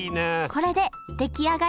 これで出来上がり！